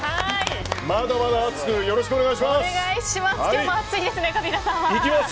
まだまだ熱くよろしくお願いします。